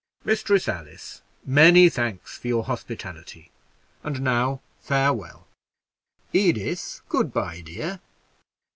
"Mistress Alice, many thanks for your hospitality; and now, farewell. Edith, good by, dear.